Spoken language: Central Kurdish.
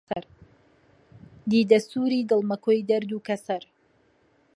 دیدە سووری، دڵ مەکۆی دەرد و کەسەر